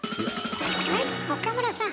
はい岡村さん